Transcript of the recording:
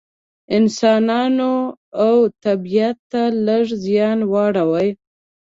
انسانانو او طبیعت ته لږ زیان واړوي.